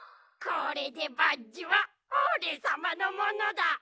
これでバッジはおれさまのものだ。